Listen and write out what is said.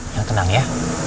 jangan tenang ya